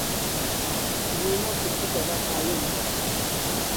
نینۆکت بکە با خاوێن بی